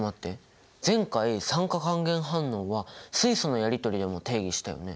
前回酸化還元反応は水素のやりとりでも定義したよね。